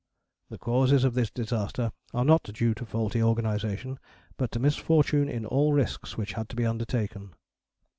"The causes of this disaster are not due to faulty organization, but to misfortune in all risks which had to be undertaken."